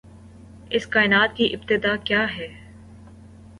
اس کائنات کی ابتدا کیا ہے؟